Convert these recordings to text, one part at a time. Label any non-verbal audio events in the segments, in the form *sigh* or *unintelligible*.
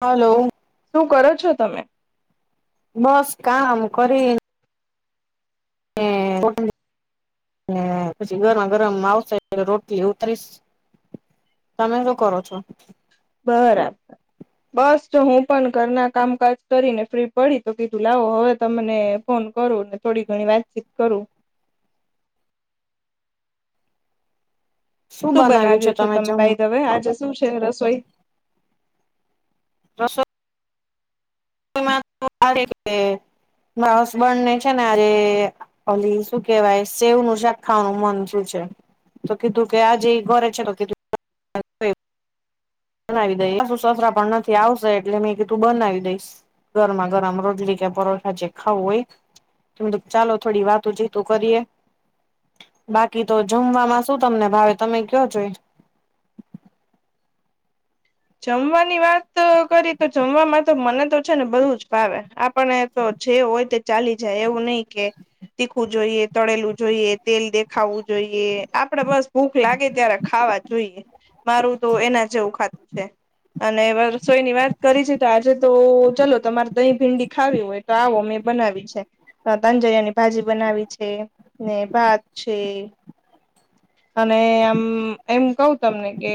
Hello. શું કરો છો તમે? બસ કામ કરી હ હ પછી ગરમ ગરમ આવશે રોટલી ઉતરીશ. તમે શું કરો છો? બરાબર બસ જો હું પણ ઘરના કામકાજ કરીને ફ્રી પડી તો કીધું લાવો હવે તમને ફોન કરુ ને થોડી ઘણી વાતચીત કરું શું બનાવ્યું છો તમે ભાઈ હવે આજે શું છે રસોઈ? રસો *unintelligible* મારા હસબન્ડ ને છે ને આજે ઓલી શું કેવાય સેવ નું શાક ખાવાનું મન શું છે તો કધું કે આજે ઘરે છે તો કિધું બનાવી દઈશશું સસરા પણ નથી આવશે એટલે મેં કીધું બનાવી દઈશ ગરમા ગરમ રોટલી કે પરોઠા જે ખાવુંય ત તો ચાલો થોડી વાતો જીતો કરીએ બાકી તો જમવાવામાં શું તમને ભાવે તમે કયો જોઈ જમવાની વાત કરી તો જમવાવામાં તો મને તો છે ને બધુ જ ભાવે પણ તો જે હોય તે ચાલી જાય એવું નહી કે તીખવું જોઈએ તળેલવું જોઈએ તેલ દેખાવવું જોઈએ આપડે બસ ભૂખ લાગે ત્યારે ખાવા જોઈએ મારું તો એના જેવું ખાત અને રસોઈ ની વાત કરી છે તો આજે તો ચલો તમારે દહી ભીંડી ખાવી હોય તો આવો મેં બનાવી છે તંજરિયાની ભાજી બનાવી છે ને ભાત છે અને આમ એમ કહ તમને કે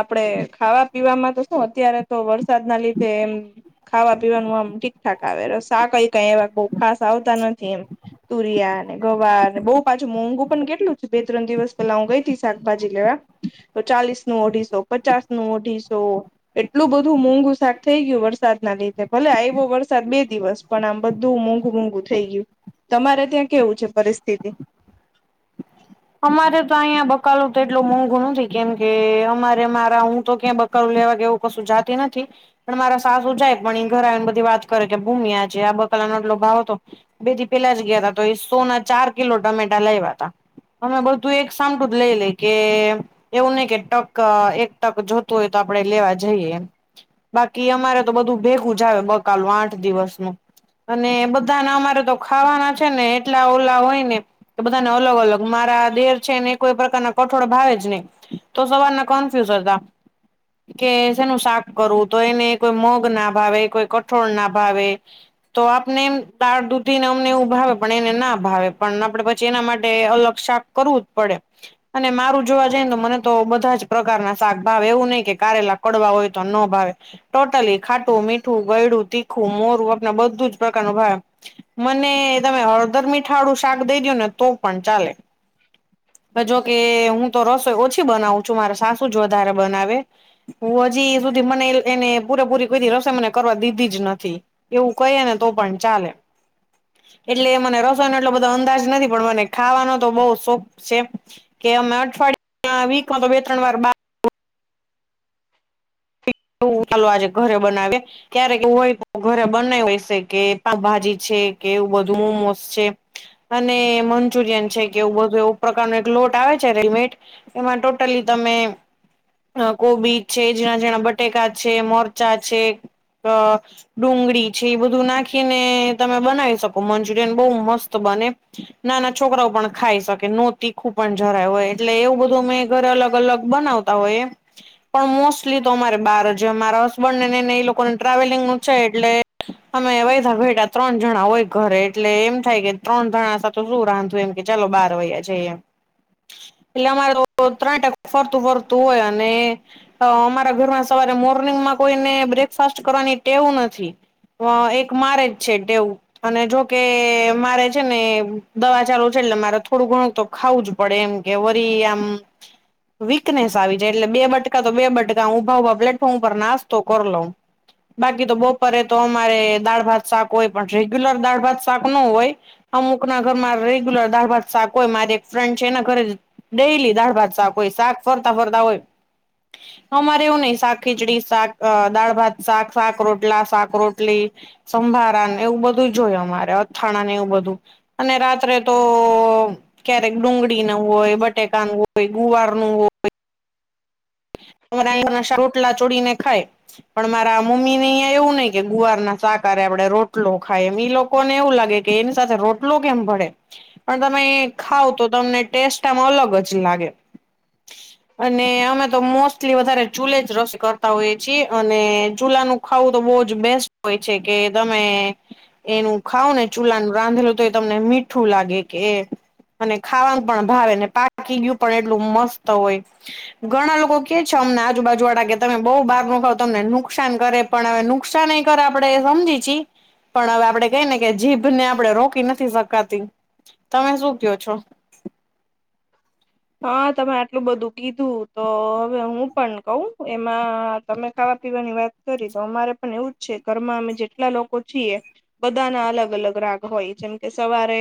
આપડે ખાવા પીવાવામાં તો શું અત્યારે તો વરસાદ ના લીધે એમ ખાવા પીવાનું આમ ઠીક ઠાક આવે સાા કઈ કઈ એવા બહ ખાસ આવતા નથી એમ તુરિયા ને ગવારને બહુ પાછું મોંઘુ પણ કેટલું છે બે ત્રણ દિવસ પેલા હું ગઈથી શાકભાજી લેવા તો ચાલીસ નું અઢીસો પચાસ નું અઢીસો એટલું બધું મોંઘુ શાક થઈ ગયું વરસાદના લીધે ભલે આવ્યો વરસાદ બે દિવસ પણ આમ બધું મોંઘુ મોંઘુ થઈ ગયું તમારે ત્યાં કેવું છે પરિસ્થિતિ અમારે તો અહીં બકાલું તો એટલું મોંઘું નથી કેમકે અમારે મારા હું તો ક્યાં કરું લેવા કે એવું કશું જાતી નથી પણ મારા સાસુ જાય પણ એ ઘરા આવીને બધી વાત કરે કે ભૂમ્યા છે આ બ કલાો આટલો ભાવ હતો બેથી પેલા જ ગયા તા તો એ સોના ચાર કિલો ટમેટા લેવા ત અમે બધું એક સાંભળું જ લઈ લે કે એવું નહી કે ટક એક ટક જોતું હોય તો આપડે લેવા જઈએ બાકી અમારે તો બધું ભેગું જ આવે બકાલ આઠ દિવસ ન અને બધાને અમારે તો ખાવાના છે ને એટલા ઓલા હોય ને કે બધાને અલગ અલગ મારા દેર છે ને કોઈ પ્રકારના કઠોળ ભાવે જ નહી તો સવારના કન્ફ્યુઝ હતા કે જેનું શાક કરવું તો એને કોઈ મગ ના ભાવે કોઈ કઠોળ ના ભાવે તો આપને એમ તાળ દૂધીને અમને એવું ભાવે પણ એને ના ભાવે પણ આપડે પછી એના માટે અલગ શાક કરવું જ પડે અને મારું જોવા જાય ને તો મને તો બધા જ પ્રકારના શાક ભાવે એવું નહી કે કારેલા કડવા હોય તો ન ભાવે ટોટલી ખાટું મીઠું ગયડું તીખું મોરું આપ બધું જ પ્રકારનું ભાવ મને તમે હળદર મીઠાળું શાક દઈ દું ને તો પણ ચાલે જોકે હું તો રસોઈ ઓછી બનાવું છું મારા સાસુ જ વધારે બનાવે હું હજી સુધી મને એને પૂરેપૂરી કોઈ રસોઈ મને કરવા દીધી જ નથી એવું કહીએ ને તો પણ ચાલે એટલે મને રસોઈનો એટલો બધો અંદાજ નથી પણ મને ખાવાનો બ શોખ છે કે અમે અઠવાડ વીકમાં તો બે ત્રણ વાર એવું ચાલો આજે ઘરે બનાવે ક્યારેક એવું હોય ઘરે બનાશે કે પાકભાજી છે કે એવું બધું મોમોસ છે અને મંચુરિયન છે કે એવું બધું એવું પ્રકારનો એક લોટ આવે છે રેડીમેટ એમાં ટોટલી તમે કોબી છે જેણા જેણા બટ ટેક છે મોરચા આ છે અ ડુંગળી છે એ બધું નાખીને તમે બનાવી શકો મંચુરિયન બહુ મસ્ત બને ના ના છોકરાઓ પણ ખાઈ શકે નો તીખું પણ જરાય હોય એટલે એવું બધું મેં ઘરે અલગ અલગ બનાવ હોય પણ મોસ્ટલી તો અરે બાર જે મારા હસબન્ડ ને નને ને એ લોકો ને ટ્રાવેલિંગ નું છે એટલે અમે વેધા ઘેટા ત્રણ જણા હોય ઘરે એટલે એમ થાય કે ત્રણ જણા તો શું રાંધું એમ કે ચાલો બાર વાૈયા જઈ એમ પેલા અમાર લોકો ત્રણ ટકા ફરતું ફરતું હોય અને અમારા ઘરમાં તમારે મોર્નિંગમાં કોઈને બ્રેકફાસ્ટ કરવાની ટેવ નથી. હ એક મારે જ છે ટેવ અને જોકે મારે છે ને દવા ચાલુ છે એટલે મારે થોડું ઘણું તો ખાવું જ પડે એમ કે વરી આમ વીકનેસ આવી જાય એટલે બે બટકા તો બે બટકા ઉભા ઊભા પ્લેટફોર્મ પર નાસ્તો કર લઉ બાકી તો બપોરે તો અમારે દાળ ભાત શાક હોય પણ રેગ્યુલર દાળ ભાત શાક નો હોય. અમુક ના ઘર મા રેગ્યુલર દાર ભાત શાક હોય મારી એક ફ્રેન્ડ છેને ઘરે ડેલી દાળ ભાત શાક હોય શાક ફરતા ફરતા હોય અમારે એવું નહીં શાક ખીચડી શાક દાળ ભાત શાક શાક રોટલા શાક રોટલી સંભારા એવું બધું જોયું અમારે અથાણાને એવું બધું અને રાત્રે તો ક્યારેક ડુંગળી નું હોય બટેકા નું હોય ગુવાર નું હોય અમાર આયકાશ રોટલા ચોડીને ખાય પણ મારા મમ્મી ને અહીંયા એવું નઈ કે ગુવાર ના શાક હારે આપડે રોટલો ખાય એમ ઈ લોકો લોકોને એવું લાગે કે એની સાથે રોટલો કેમ ભડે પણ તમે એ ખાવ તો તમને ટેસ્ટ આમ અલગ જ લાગે. અને અમે તો મોસ એટલી વધારે ચૂલે જ રસ કરતા હોઈએ છીએ અને ચૂલા નું ખાવું તો બહુ જ બેસ્ટ હોય છે કે તમે એનું ખાવ ને ચૂલાનું રાંધેલું તો એ તમને મીઠું લાગે કે એ અને ખાવાનું પણ ભાવે પાક કી ગયું પણ એટલું મસ્ત હોય ઘણા લોકો કે છે અમને આજુબાજુ વાળા કે તમે બહુ બહાર નુ ખાવ તમને નુકસાન કરે પણ હવે નુકસાનએ કરે આપડે સમજી હમજી છી પણ હવે આપડણે કઈ ને કે જીભને આપણે રોકી નથી શકાતી. તમે શું કયો છો? હા તમે આટલું બધું કીધું તો હવે હું પણ કઉ એમાં તમે ખાવા પીવાની વાત કરી તો અમારે પણ એવું જ છે ઘરમાં અમે જેટલા લોકો છીએ બધાના અલગ અલગ રાગ હોય જેમ કે સવારે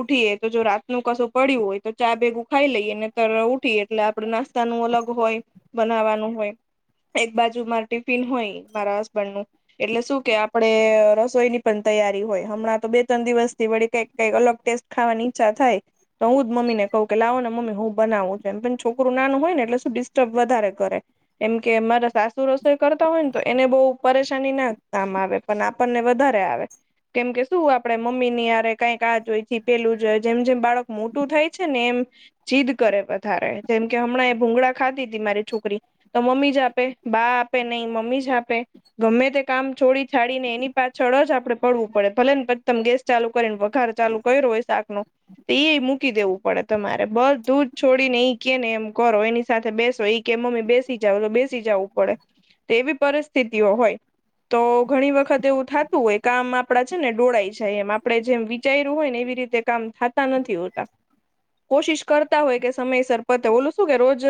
ઉઠીએ તો જો રાત નુ કશું પડ્યું હોય તો ચા ભેગું ખાઈ લઈએ ને તર ઉઠીએ એટલે આપડે નાસ્તા નું અલગ હોય બનાવવાનું હોય. એક બાજુ માર ટિફિન હોય મારા હસબન્ડ નું એટલે શું કે આપણે રસોઈ ની પણ તૈયારી હોય હમણાં તો બે ત્રણ દિવસ થી વળી કઈક કઈક અલગ ટેસ્ટ ખાવાની ઈચ્છા થાય તો હું જ મમ્મી ને કઉ કે લાવોને મમ્મી હું બનાવું તેમ પણ છોકરું નાનું હોય ને એટલે શું ડિસ્ટર્બ વધારે કરે. એમ કે અમારા સાસુ રસોઈ કરતા હોય ને તો એને બહુ પરેશાની ના આમ આવે. પણ આપણને વધારે આવે. કેમ કે શું આપડે મમ્મી ની હારે કઈક આ જોઈ પેલું જોય જેમ જેમ બાળક મોટું થાય છે ને એમ જીદ કરે વધારે જેમ કે હમણાં એ ભૂગળા ખાધી તી મારી છોકરી તો મમ્મી જ આપે બા આપે નહી મમ્મી જ આપે. ગમે તે કામ છોડી છાડી ને એની પાછળ જ આપડે પડવું પડે ભલે ને તમ ગેસ ચાલુ કરીને વઘાર ચાલુ કર્યો હોય શાક નો તો ઈ મૂકી દેવું પડે. તમારે બધું છોડી ને ઈ કે ને એમ કરો એની સાથે બેસો ઈ કે મમ્મી બેસી જાવ બેસી જાવું. પડે તેવી પરિસ્થિતિઓ હોય. તો ઘણી વખત એવું થાતું હોય કામ આપડા છે ને ઢોળાય જાય એમ આપડે જેમ વિચાર્યું હોય ને એવી રીતે કામ થાતાં નથી હોતા. કોશિશ કરતા હોય કે સમયસર પતે ઓલું શું કે રોજ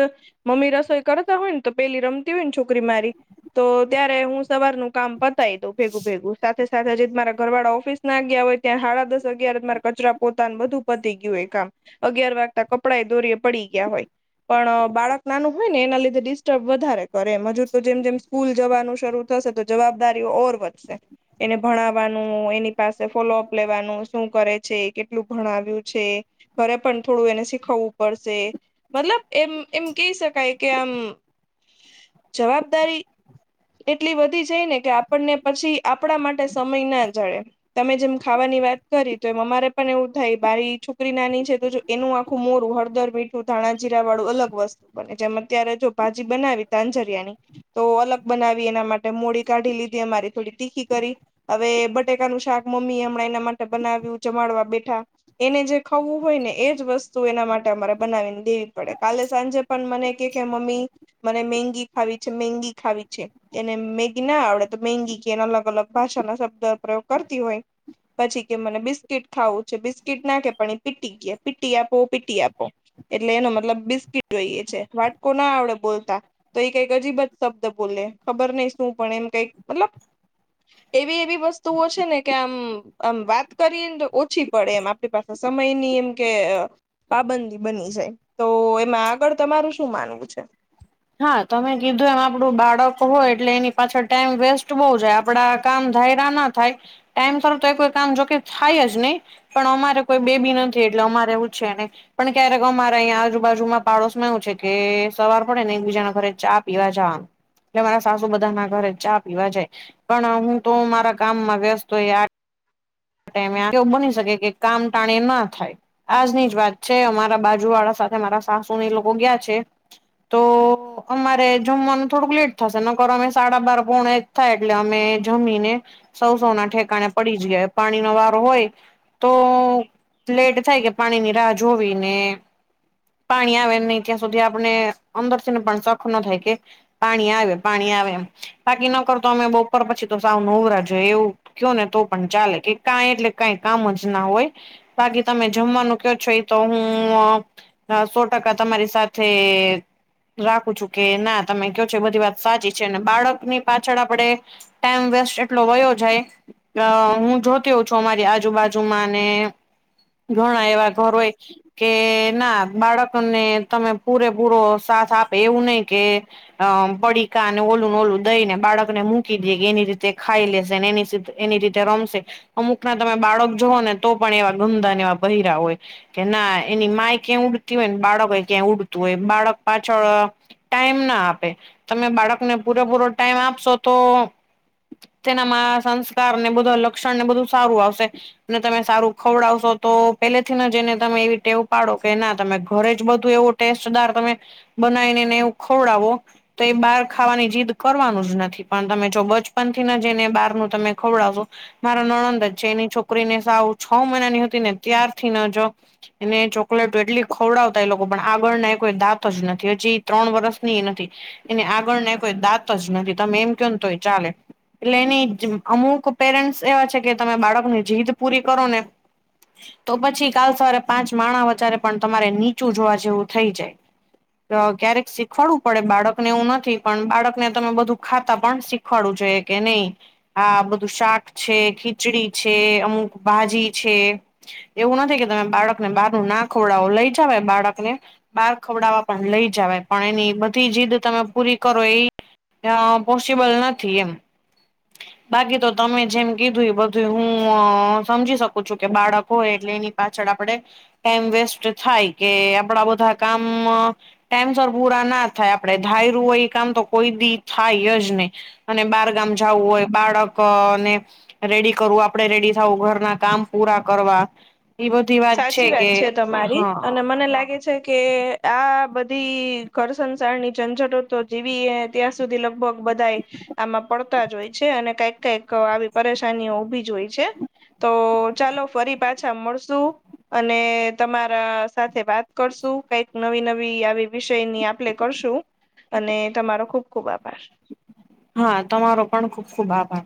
મમ્મી રસોઈ કરતા હોય ને તો પેલી રમતી હોય ને છોકરી મારી તો ત્યારે હું સવારનું કામ પતાય દઉં ભેગું ભેગું સાથે સાથે જે મારા ઘરવાળા ઓફિસ ના ગયા હોય ત્યાં સાડા દસ અગિયાર માર કચરા પોતા બધું પતી ગયું હોય કામ અગિયાર વાગતા કપડાં દોરીએ પડી ગયા હોય. પણ બાળક નાનું હોય ને એના લીધે ડિસ્ટર્બ વધારે કરે એમ હજુ તો જેમ જેમ સ્કૂલ જવાનું શરૂ થશે તો જવાબદારીઓ ઓર વધશે. એને ભણાવવાનું એની પાસે ફોલોઅપ લેવાનું શું કરે છે કેટલું ભણાવ્યું છે. ઘરે પણ થોડું એને શીખવવું પડશે. મતલબ એમ એમ કહી શકાય કે આમ જવાબદારી એટલી વધી જાય ને કે આપણને પછી આપણા માટે સમય ના જડે. તમે જેમ ખાવાની વાત કરી તો એ અમારે પણ એવું થાય મારી છોકરી નાની તો જો એનું આખું મોરું હળદર મીઠું ધાણા જીરા વાળું અલગ વસ્ત બને જેમ અત્યારે જો ભાજી બનાવી તાંજરિયાની તો અલગ બનાવી એના માટે મોડી કાઢી લીધી અમારી થોડી તીખી કરી. હવે બટેકાનું શાક મમ્મી એ હમણાં એના માટે બનાવ્યું જમાડવા બેઠા એને જે ખાવું હોય ને એજ વસ્તુ એના માટે અમારે બનાવીને દેવી પડે કાલે સાંજે પણ મને કે મમ્મી મને મેંગી ખાવી છે મેંગી ખાવી છે. એને મેગી ના આવડે તો મેંગી કે એને અલગ અલગ ભાષા ના શબ્દ પ્રયોગ કરતી હોય. પછી કે મને બિસ્કીટ ખાવું છે બિસ્કીટ ના કે પણ પીટી કે પીટી આપો પીટી આપો. એટલે એનો મતલબ બિસ્કીટ જોઈએ છે વાટકો ના આવડે બોલતા. તો એ કઈક અજીબત શબ્દ બોલે ખબર નહીં શું પણ એમ કઈક મતલબ એવી એવી વસ્તુઓ છે ને કે આમ આમ વાત કરીને તો ઓછી પડે એમ આપણી પાસે સમય ની એમકે. પાબંદ બની જાય તો એમાં આગળ તમારું શું માનવું છે? હા, તમે કીધું એમ આપડું બાળક હોય એટલે એની પાછળ ટાઈમ વેસ્ટ બહુ જાય. આપડા કામ ધાયરા ન થાય ટાઈમ તરફ તો કામ જોકે થાય જ નહી. પણ અમારે કોઈ બેબી નથી એટલે અમારે છે નય. પણ ક્યારેક અમારે અહીંયા આજુબાજુમાં પાડોશ માં એવું છે કે સવાર પડે ને એકબીજાના ઘરે ચા પીવા જા. એટલે મારા સાસુ બધા ના ઘરે ચા પીવા જાય પણ હું તો મારા કામ માં વ્યસ્ત હોય આ ટાઈમ એ એવું બની શકે કે કામ ટાણે ના થાય. આજની જ વાત છે અમારા બાજુ વાળા સાથે મારા સાસુ ને એ લોકો ગયા છે. તો અમારે જમવાનું થોડુંક લેટ થશે નકોર અમે સાડા બાર પોણે થાય એટલે અમે જમીને સૌ સૌ ના ઠેકાળે પડી જઈએ પાણીનો વારો હોય. તો લેટ થાય કે પાણી ની રાહ જોવી ને પાણી આવે નહી ત્યાં સુધી આપને અંદરથી પણ સક ન થાય કે. પાણી આવે પાણી આવે એમ. બાકી નકર તો અમે બપર પછી તો સાવ નવરા જોએ એવું કયો ને તો પણ ચાલે. કે કાઈ એટલે કઈ કામ જ ના હોય. બાકી તમે જમવાનું કયો છો એ તો હું. હ સો ટકા તમારી સાથે‌. રાખું છું કે ના તમે કયો છો એ બધી વાત સાચી છે અને બાળકની પાછળ આપડે ટાઈમ વેસ્ટ એટલો વયો જાય ત હું જોત તી હોવ છું અમારી આજુબાજુમાંને ઘણા એવા ઘર હોય. કે ના બાળકને તમે પૂરેપૂરો સાથ આપે એવું નય કે અ પડીકા અને ઓલું ને ઓલું દઈ ને બાળકને મૂકી દે કે એની રીતે ખાઈ લેશે એની સિથ એની રીતે રમશે અમુક ના તમે બાળક જોહો ને તો પણ એવા ગંદાને એવા ભહરા હોય કે ના એની માય ક્યાં ઉડતી હોય ને બાળક ક્યાં ઉડતું હોય બાળક પાછળ ટાઈમ ન આપે તમે બાળકને પૂરેપૂરો ટાઈમ આપશો તો તેનામાં સંસ્કાર ને બધા લક્ષણ ને બધું સારું આવશે ને તમે સારું ખવડાવશો તો પેલેથીને જ એને તમે એવી ટેવ પાડો કે ના તમે ઘરે જ બધું એવું ટેસ્ટદાર તમે બનાયી ને ને એવું ખવડાવો તો એ બહાર ખાવાની જીદ કરવાનું જ નથી પણ તમે જો બચપન થીને જને બહાર નું તમે ખવડાવશો મારો નણંદ જ છે એની છોકરીને સાવ છ મહિનાની હતી ને ત્યારથી ન જો એને ચોકલેટ એટલી ખવડાવતા એ લોકો પણ આગળના એ કોઈ દાંત જ નથી હજી ત્રણ વરષ નીયે નથી એને આગળને કોઈ દાંત જ નથી તમે એમ ક્યો તો એ ચાલે એટલે એની અમુક પેરેન્ટ્સ એવા છે કે તમે બાળકની જીદ પૂરી કરો ને તો પછી કાલ સવારે પાંચ માણાહ વચારે પણ તમારે નીચું જોવા જેવું થઈ જાય અ ક્યારેક શીખવાડવું પડે બાળકને એવું નથી પણ બાળકને તમે બધું ખાતા પણ શીખ ખાડું જોઈએ કે નય આ બધું શાક છે ખી ચીડી છે અમુક ભાજી છે એવું નથી કે તમે બાળકને બહાર ના ખવડાવો લઈ જવાય બાળકને બાર ખવડાવવા પણ લઈ જવાય પણ એની બધી જીદ તમે પૂરી કરો એ અ પોસિબલ નથી એમ બાકી તો તમે જેમ કીધું એ બધું હું અ સમજી શકું છું કે બાળક હોય એટલે એની પાછળ આપડે ટાઈમ વેસ્ટ થાય કે આપડા બધા કામ અ ટાઈમ સર પૂરા ના થાય આપડે ધાયરું એ કામ તો કોઈ દી થાય જ નય અને બારગામ જાવું હોય બાળક ક અને રેડી કરવું આપડે રેડી થાવું ઘરના કામ પૂરા કરવા એ બધી સાચી વાત કે છે તમારી હા અને મને લાગે છે કે આ બધી ઘર સંસારની ઝંઝટતો જીવીએ ત્યાં સુધી લગભગ બધાએ આમાં પડતા જ હોય છે અને કઈક કઈક આવી પરેશાનીઓ ઊભી જ હોય છે. તો ચાલો ફરી પાછા મળ *inaudible* અને તમારા સાથે વાત કરશું કઈક નવી નવી આવી વિષયની આપણે કરશું અને તમારો ખુબ ખુબ આભાર હા તમારો પણ ખુબ ખુબ આભાર